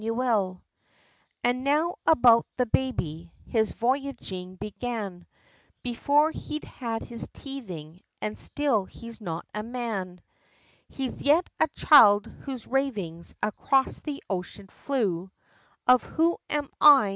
And now about the baby, his voyaging began, Before he'd had his teething, and still he's not a man, He's yet a child! whose ravings Across the ocean flew, Of "Who am I?